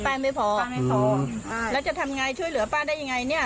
ไม่พอป้าไม่พออ่าแล้วจะทำไงช่วยเหลือป้าได้ยังไงเนี่ย